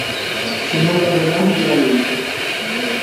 Se non lavoriamo duramente.